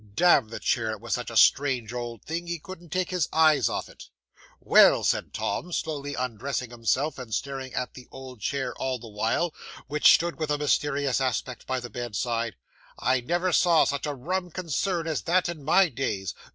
Damn the chair, it was such a strange old thing, he couldn't take his eyes off it. '"Well," said Tom, slowly undressing himself, and staring at the old chair all the while, which stood with a mysterious aspect by the bedside, "I never saw such a rum concern as that in my days.